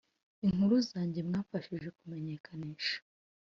inkuru zanjye mwafashije kumenyekanisha.